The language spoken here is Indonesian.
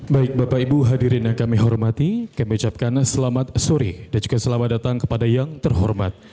baik bapak ibu hadirin yang kami hormati kami ucapkan selamat sore dan juga selamat datang kepada yang terhormat